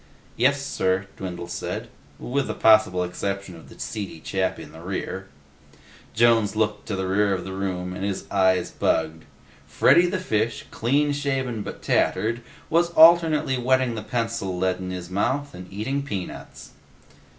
"Yes, sir," Dwindle said, "with the possible exception of the seedy chap in the rear." Jones looked to the rear of the room, and his eyes bugged. Freddy the Fish, clean shaven but tattered, was alternately wetting the pencil lead in his mouth and eating peanuts.